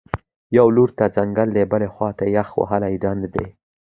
یوه لور ته ځنګل دی، بلې خوا ته یخ وهلی ډنډ دی